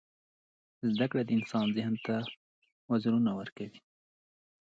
• زده کړه د انسان ذهن ته وزرونه ورکوي.